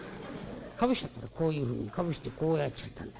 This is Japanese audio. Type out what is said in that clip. かぶしちゃったらこういうふうにかぶしてこうやっちゃったんだ。